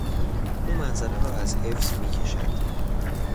او منظره را از حفظ میکشد.